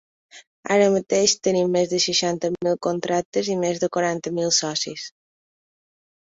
Ara mateix tenim més de seixanta mil contractes i més de quaranta mil socis.